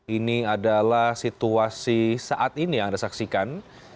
ini adalah situasi saat ini yang anda saksikan